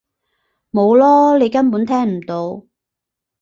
冇囉！你根本聽唔到！